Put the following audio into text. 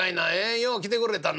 よう来てくれたな。